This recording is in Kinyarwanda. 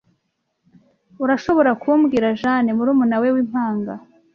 Urashobora kubwira Jane murumuna we wimpanga?